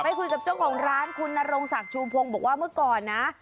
ไปคุยกับโต๊ะของร้านคุณนโรงศักดิ์มพูดว่าเมื่อก่อนนะ